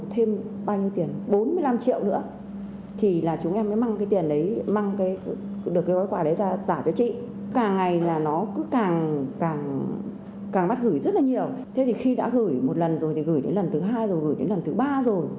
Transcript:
thế thì khi đã gửi một lần rồi thì gửi đến lần thứ hai rồi gửi đến lần thứ ba rồi